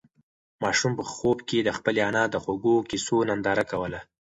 ماشوم په خوب کې د خپلې انا د خوږو قېصو ننداره کوله.